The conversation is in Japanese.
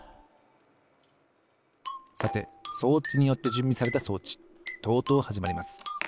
さて装置によってじゅんびされた装置とうとうはじまります。